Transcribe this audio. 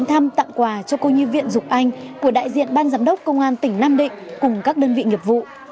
em đến thăm tặng quà cho cô nhi viện dục anh của đại diện ban giám đốc công an tỉnh nam định cùng các đơn vị nghiệp vụ